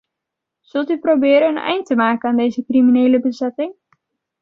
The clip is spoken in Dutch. Zult u proberen een eind te maken aan deze criminele bezetting?